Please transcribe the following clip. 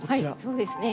そうですね。